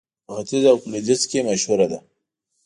په ختيځ او لوېديځ کې مشهوره ده.